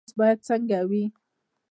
رئیس باید څنګه وي؟